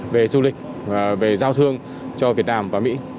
về du lịch về giao thương cho việt nam và mỹ